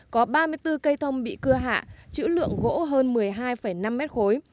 có ba mươi bốn cây thông bị cưa hạ chữ lượng gỗ hơn một mươi hai năm mét khối